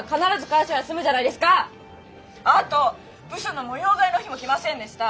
あと部署の模様替えの日も来ませんでした！